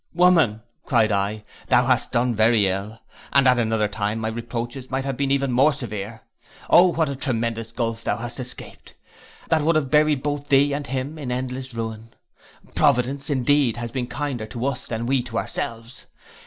'Woman,' cried I, 'thou hast done very ill, and at another time my reproaches might have been more severe. Oh! what a tremendous gulph hast thou escaped, that would have buried both thee and him in endless ruin. Providence, indeed, has here been kinder to us than we to ourselves.